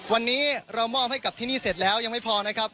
วันนี้เรามอบให้กับที่นี่เสร็จแล้วยังไม่พอนะครับ